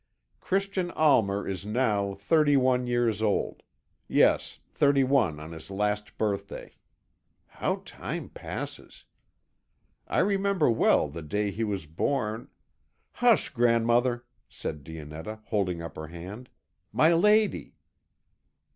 Christian Almer is now thirty one years old yes, thirty one on his last birthday. How time passes! I remember well the day he was born " "Hush, grandmother," said Dionetta, holding up her hand. "My lady."